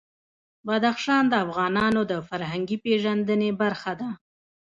بدخشان د افغانانو د فرهنګي پیژندنې برخه ده.